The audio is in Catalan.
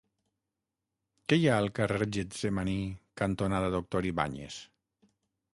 Què hi ha al carrer Getsemaní cantonada Doctor Ibáñez?